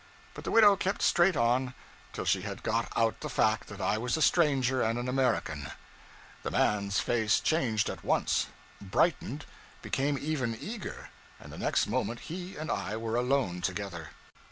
But the widow kept straight on, till she had got out the fact that I was a stranger and an American. The man's face changed at once; brightened, became even eager and the next moment he and I were alone together.